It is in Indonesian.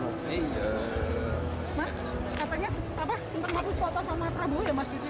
mas katanya apa sengkak menghapus foto sama prabowo ya mas gita